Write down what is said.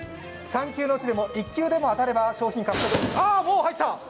３球のうちでも１球でも当たれば商品獲得、ああもう入った！